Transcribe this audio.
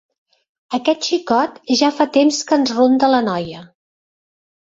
Aquest xicot ja fa temps que ens ronda la noia.